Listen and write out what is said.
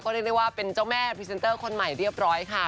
เรียกได้ว่าเป็นเจ้าแม่พรีเซนเตอร์คนใหม่เรียบร้อยค่ะ